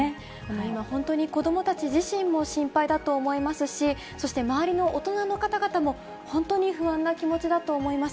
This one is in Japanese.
今、本当に子どもたち自身も心配だと思いますし、そして周りの大人の方々も、本当に不安な気持ちだと思います。